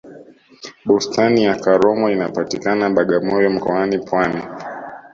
bustani ya karomo inapatikana bagamoyo mkoani pwani